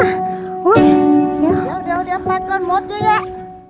เดี๋ยวปัดก่อนหมดเยอะ